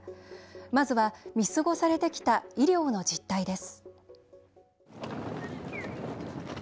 まずは見過ごされてきた医療の実態です。